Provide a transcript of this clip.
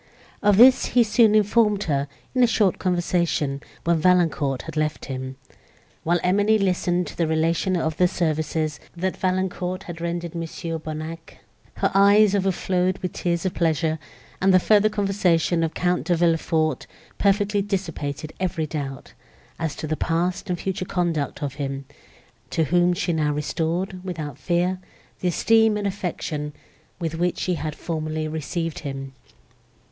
Of this he soon informed her, in a short conversation, when Valancourt had left him. While Emily listened to a relation of the services, that Valancourt had rendered Mons. Bonnac, her eyes overflowed with tears of pleasure, and the further conversation of Count De Villefort perfectly dissipated every doubt, as to the past and future conduct of him, to whom she now restored, without fear, the esteem and affection, with which she had formerly received him.